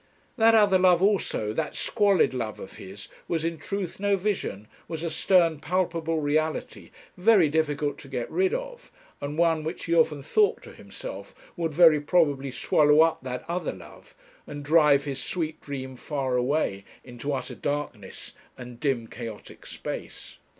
That other love also, that squalid love of his, was in truth no vision was a stern, palpable reality, very difficult to get rid of, and one which he often thought to himself would very probably swallow up that other love, and drive his sweet dream far away into utter darkness and dim chaotic space.